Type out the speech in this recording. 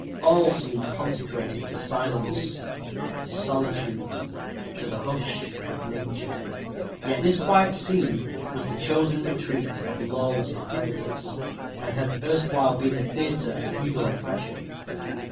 All seemed consecrated to silence to solitude to the hush of nature; yet this quiet scene was the chosen retreat of lawless depredators, and had erstwhile been the theatre of feudal oppression.